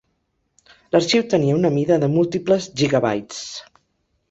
L'arxiu tenia una mida de múltiples gigabytes.